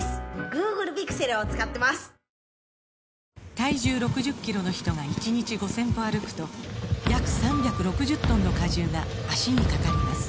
体重６０キロの人が１日５０００歩歩くと約３６０トンの荷重が脚にかかります